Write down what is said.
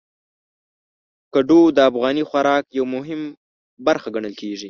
کدو د افغاني خوراک یو مهم برخه ګڼل کېږي.